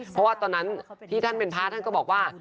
เพราะว่าตอนนั้นที่ท่านเป็นพระท่านก็บอกว่า